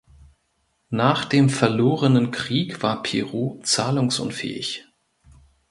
Nach dem verlorenen Krieg war Peru zahlungsunfähig.